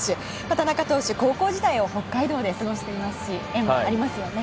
田中投手、高校時代を北海道で過ごしていますし縁もありますよね。